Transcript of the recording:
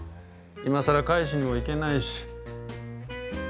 今更返しにも行けないし。